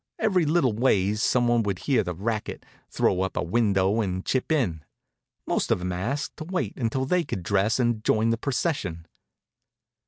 Every little ways some one would hear the racket, throw up a window, and chip in. Most of 'em asked us to wait until they could dress and join the procession.